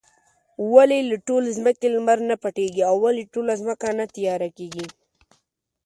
ولې له ټولې ځمکې لمر نۀ پټيږي؟ او ولې ټوله ځمکه نه تياره کيږي؟